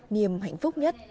niềm hạnh phúc nhất